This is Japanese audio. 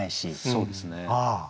そうですね。